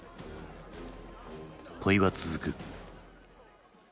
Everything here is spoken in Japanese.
問いは続く。